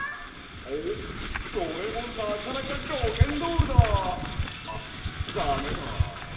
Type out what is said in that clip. おっそれもなかなかロケンロールだ！あっだめだ。